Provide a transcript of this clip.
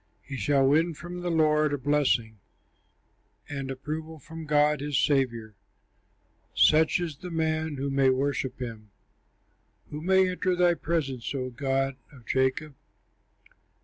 He shall win from the Lord a blessing, And approval from God his Saviour. Such is the man who may worship him, Who may enter thy presence, O God of Jacob.